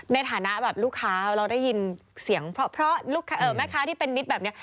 ในฐานะแบบลูกค้าเราได้ยินเสียงเพราะลูกค้าที่เป็นมิตรแบบนี้